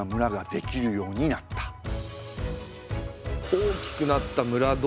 大きくなったって！